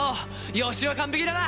予習は完璧だな！